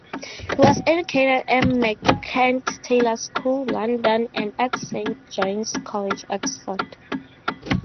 He was educated at Merchant Taylors' School, London and at Saint John's College, Oxford.